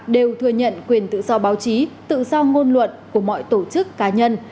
đều thừa nhận quyền tự do báo chí tự do ngôn luận của mọi tổ chức cá nhân